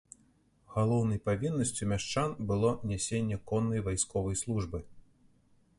Галоўнай павіннасцю мяшчан было нясенне коннай вайсковай службы.